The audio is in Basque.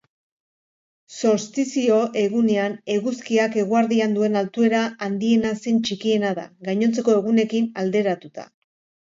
Solstizio egunetan, eguzkiak eguerdian duen altuera handiena zein txikiena da, gainontzeko egunekin alderatuta.